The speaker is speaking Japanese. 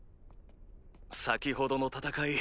先ほどの戦い